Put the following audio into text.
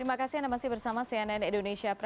tadi kita akan mencobaummyangnya